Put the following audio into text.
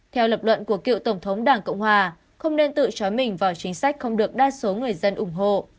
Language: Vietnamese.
theo lập luận của cựu tổng thống đảng cộng hòa không nên tự chói mình vào chính sách không được đa số người dân ủng hộ